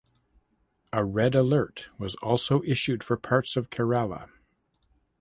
A red alert was also issued for parts of Kerala.